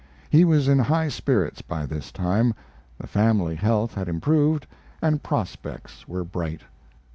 He was in high spirits by this time. The family health had improved, and prospects were bright.